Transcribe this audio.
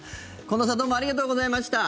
近藤さんどうもありがとうございました。